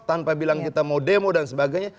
tanpa bilang kita mau demo dan sebagainya